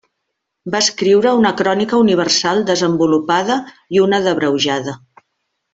Va escriure una crònica universal desenvolupada i una abreujada.